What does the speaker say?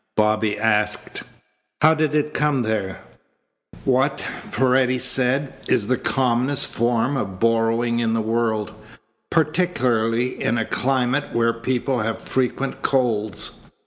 Bobby asked, "How did it come there?" "What," Paredes said, "is the commonest form of borrowing in the world, particularly in a climate where people have frequent colds?